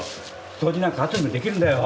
掃除なんかあとでもできるんだよ！